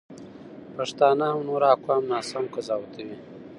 پښتانه هم نور اقوام ناسم قضاوتوي.